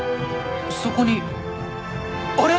そこにあれ！？